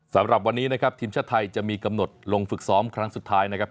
สำหรับวันนี้นะครับทีมชาติไทยจะมีกำหนดลงฝึกซ้อมครั้งสุดท้ายนะครับ